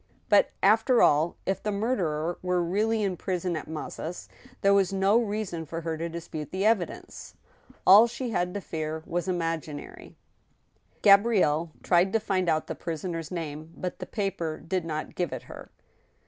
But, after all, if the murderer were really in prison at Mazas, there was no reason for her to dispute the evidence. All that she had feared was imaginary. THE TWO WIVES. 131 Gabrielle tried to find out v the prisoner's name ; but the paper did not give it her.